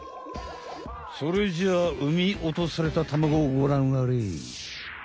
それじゃうみおとされた卵をごらんあれ。